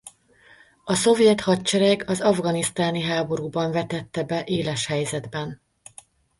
A Szovjet Hadsereg az afganisztáni háborúban vetette be éles helyzetben.